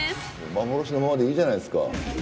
幻のままでいいじゃないですか。